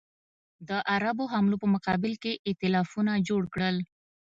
د عربو حملو په مقابل کې ایتلافونه جوړ کړل.